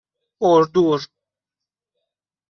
اردور